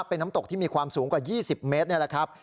เป็นน้ำตกที่มีความสูงกว่า๒๐เมตรนี่แหละครับ